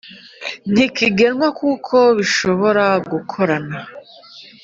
Ntikigenwa kuko bishobora gukorana